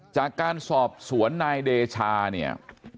จากการสอบสวนนายเดชาเนี่ย